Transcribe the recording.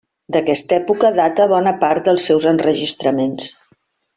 D'aquesta època data bona part dels seus enregistraments.